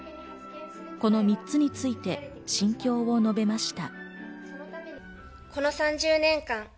この３つについて心境を述べました。